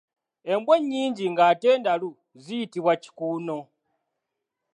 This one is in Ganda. Embwa ennyingi ng'ate ndalu ziyitibwa kikuuno.